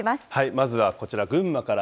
まずはこちら、群馬から。